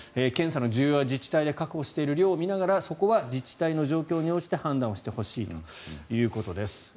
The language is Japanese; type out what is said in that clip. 検査の需要や自治体で確保している量を見ながらそこは自治体の状況に応じて判断してほしいということです。